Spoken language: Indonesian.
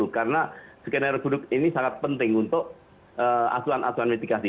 karena skenario buruk ini sangat penting untuk asuhan asuhan mitigasi